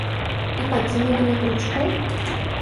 І пакінулі на кручку?